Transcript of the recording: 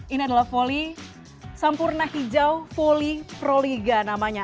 ini adalah voli sampurna hijau voli proliga namanya